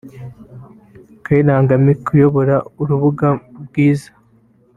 Kayiranga Mecky uyobora urubuga bwiza